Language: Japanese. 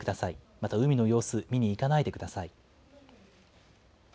また海の様子、見に行かないでください。